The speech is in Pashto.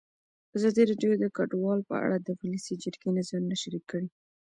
ازادي راډیو د کډوال په اړه د ولسي جرګې نظرونه شریک کړي.